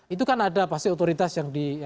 itu kan ada pasti otoritas yang di